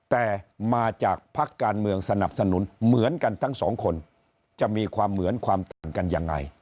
แต่มาจากพักการเมืองสนับสนุนเหมือนกันทั้งสองคนจะมีความเหมือนความต่างกันยังไง